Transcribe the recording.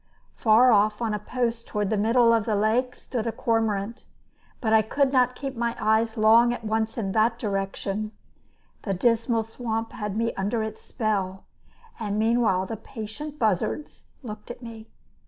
Far off on a post toward the middle of the lake stood a cormorant. But I could not keep my eyes long at once in that direction. The dismal swamp had me under its spell, and meanwhile the patient buzzards looked at me.